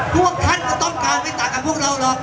พวกท่านก็ต้องการไม่ต่างกับพวกเราหรอก